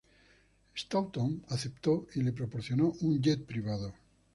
Staunton aceptó y le proporcionó un jet privado.